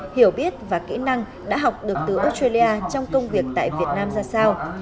hiểu biết và kỹ năng đã học được từ australia trong công việc tại việt nam ra sao